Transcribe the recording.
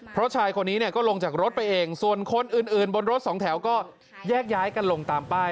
เพราะชายคนนี้เนี่ยก็ลงจากรถไปเองส่วนคนอื่นบนรถสองแถวก็แยกย้ายกันลงตามป้าย